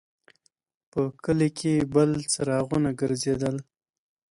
په کلي کې بل څراغونه ګرځېدل.